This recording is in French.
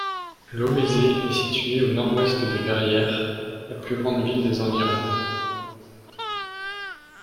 Lhommaizé est située à au nord-ouest de Verrières la plus grande ville des environs.